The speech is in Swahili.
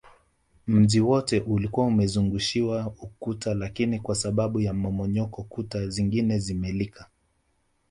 Mji wote ulikuwa umezungushiwa ukuta lakini kwa sababu ya mmomonyoko kuta zingine zimelika